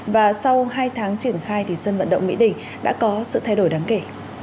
và sau hai tháng triển khai thì sân vận động mỹ đình đã có sự thay đổi đáng kể